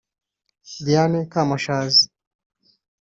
Dianne Kamashazi